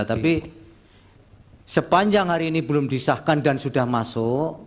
tapi sepanjang hari ini belum disahkan dan sudah masuk